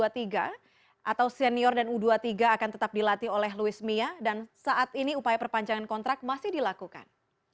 atau senior dan u dua puluh tiga akan tetap dilatih oleh luis mia dan saat ini upaya perpanjangan kontrak masih dilakukan